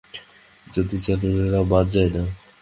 জন্তুজানোয়াররাও বাদ যায় না।